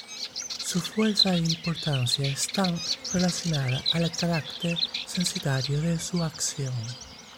Su fuerza e importancia están relacionadas al carácter censitario de su acción.